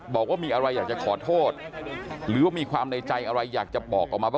บอกว่ามีอะไรอยากจะขอโทษหรือว่ามีความในใจอะไรอยากจะบอกออกมาบ้าง